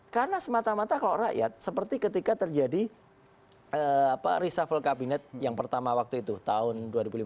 karena semata mata kalau rakyat seperti ketika terjadi reshuffle kabinet yang pertama waktu itu tahun dua ribu lima belas